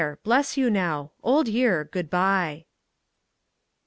bless you now! Old Year, good bye!